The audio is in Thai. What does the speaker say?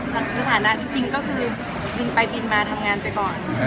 สถานะที่จริงเขาไปกินมาทำงานไปก่อน